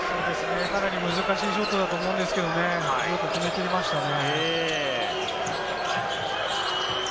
難しいショットだと思いますけれどもね、よく決めきりましたね。